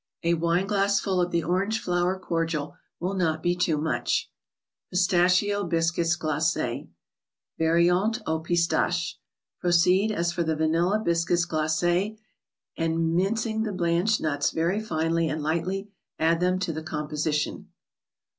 A wineglassful of the Orange flower cordial will not be too much. pustacljto Biscuits ©laces. Proceed as for the " Vanilla Biscuits Glacis," and minc¬ ing the blanched nuts very finely and lightly, add them to the composition.